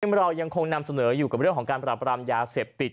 เรายังคงนำเสนออยู่กับเรื่องของการปรับรามยาเสพติด